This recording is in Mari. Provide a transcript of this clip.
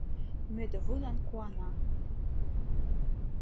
Мӧдывуйлан куана.